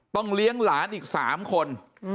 ต้องเลี้ยงหลานอีกสามคน